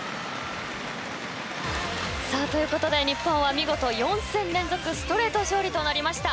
ということで、日本は見事４戦連続ストレート勝利となりました。